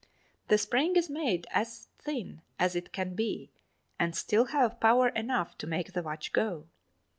The spring is made as thin as it can be and still have power enough to make the watch go.